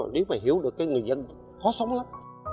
nếu mà hiểu được người dân khó sống lắm